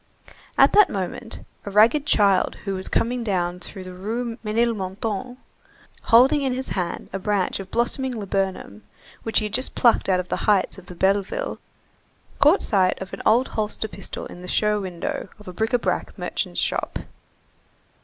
At that moment, a ragged child who was coming down through the Rue Ménilmontant, holding in his hand a branch of blossoming laburnum which he had just plucked on the heights of Belleville, caught sight of an old holster pistol in the show window of a bric à brac merchant's shop.